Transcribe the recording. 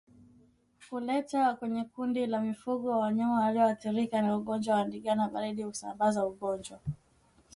Kuleta kwenye kundi la mifugo wanyama waliothirika na ugonjwa wa ndigana baridi husamabaza ugonjwa